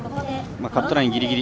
カットラインギリギリ。